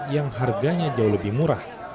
yang harganya jauh lebih murah